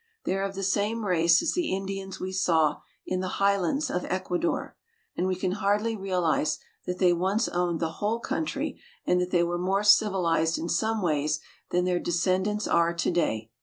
They are of the same race as the Indians we saw in the highlands of Ecuador, and we can hardly real ize that they once owned the whole country and that they were more civilized in some ways than their descendants are to day.